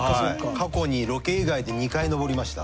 過去にロケ以外で２回登りました。